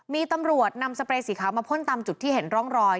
มีตำรวจนำสเปรย์สีขาวมาพ่นตามจุดที่เห็นร่องรอย